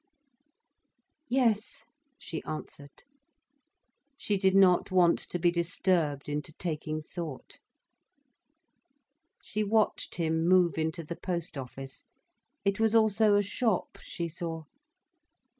"Yes," she answered. She did not want to be disturbed into taking thought. She watched him move into the post office. It was also a shop, she saw.